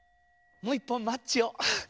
もう１ぽんマッチを。